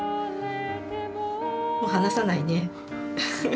もう離さないね。